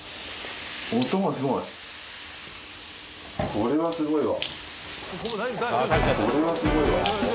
これはすごいわ。